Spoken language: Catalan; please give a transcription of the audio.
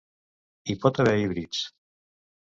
Hi pot haver híbrids.